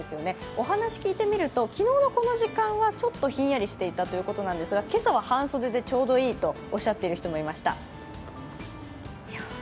お話聞いてみると、昨日のこの時間はちょっとひんやりしていたということなんですが今朝は半袖でちょうどいいとおっしゃっている人もいました。